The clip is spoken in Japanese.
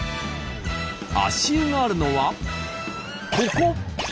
足湯があるのはここ！